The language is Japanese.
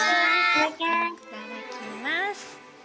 いただきます！